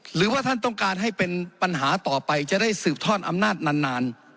หรือว่าท่านต้องการให้เป็นปัญหาต่อไปจะได้สืบทอดอำนาจนาน